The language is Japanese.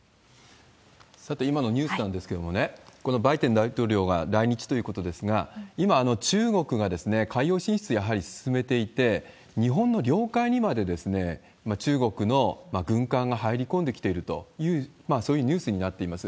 さて、今のニュースなんですけどもね、このバイデン大統領が来日ということですが、今、中国が海洋進出、やはり進めていて、日本の領海にまで中国の軍艦が入り込んできているという、そういうニュースになっています。